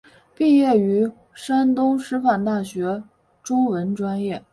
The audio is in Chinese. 毕业于山东师范大学中文专业。